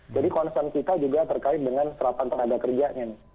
jadi konsen kita juga terkait dengan serapan tenaga kerjanya